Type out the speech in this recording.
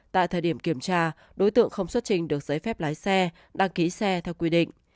tại thời điểm kiểm tra đối tượng không xuất trình được giấy phép lái xe đăng ký xe theo quy định